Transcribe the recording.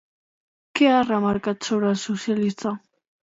Què ha remarcat sobre el socialista?